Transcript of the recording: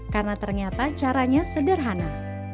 karena ternyata caranya seharusnya